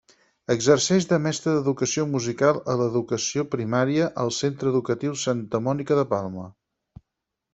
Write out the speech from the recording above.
Exerceix de mestra d'educació musical a l'educació primària al centre educatiu Santa Mònica de Palma.